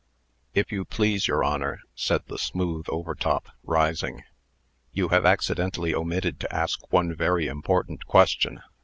"If you please, your Honor," said the smooth Overtop, rising, "you have accidentally omitted to ask one very important question.